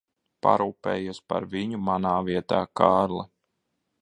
Parūpējies par viņu manā vietā, Kārli.